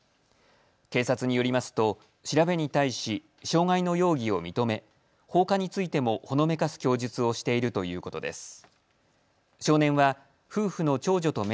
警察によりますと調べに対し傷害の容疑を認め放火についてもほのめかす供述をしているということです。